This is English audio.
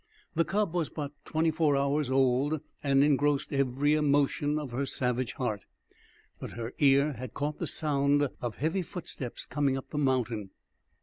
The cub was but twenty four hours old, and engrossed every emotion of her savage heart; but her ear had caught the sound of heavy footsteps coming up the mountain.